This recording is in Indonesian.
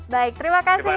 baik terima kasih